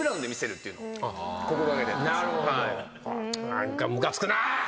何かムカつくな。